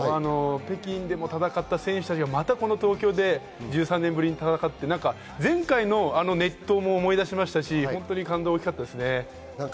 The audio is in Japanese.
北京でも戦った選手たちが、また東京でも１３年ぶりに戦って、前回のあの熱闘も思い出しましたし、感動が大きかったですね。